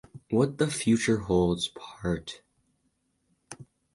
What the Future Holds Pt.